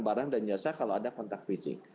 barang dan jasa kalau ada kontak fisik